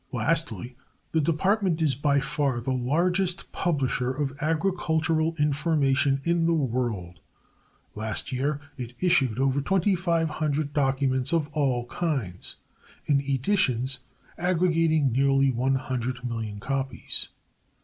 Lastly, the Department is by far the largest publisher of agricultural information in the world. Last year it issued over twenty five hundred documents of all kinds, in editions aggregating nearly one hundred million copies.